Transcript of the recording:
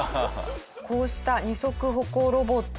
こうした二足歩行ロボット